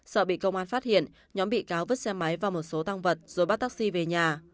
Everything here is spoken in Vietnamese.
sợ bị công an phát hiện nhóm bị cáo vứt xe máy và một số tăng vật rồi bắt taxi về nhà